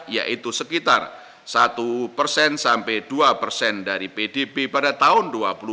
yaitu sekitar satu persen sampai dua persen dari pdb pada tahun dua ribu dua puluh